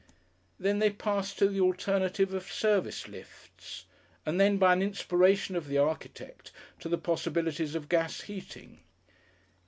Thence they passed to the alternative of service lifts, and then by an inspiration of the architect to the possibilities of gas heating.